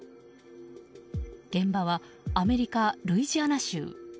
現場は、アメリカ・ルイジアナ州。